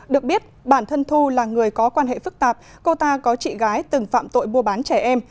được biết bản thân thu là người có quan hệ phức tạp cô ta có chị gái từng phạm tội mua bán trẻ em